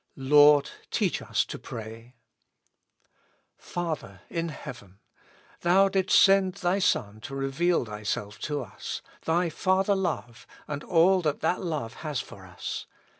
"Lord, teach us to pray." Father in heaven ! Thou didst send Thy Son to reveal Thyself to us, thy Father love, and all that that love has for us.